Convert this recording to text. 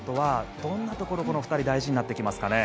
どんなところこの２人大事になってきますかね。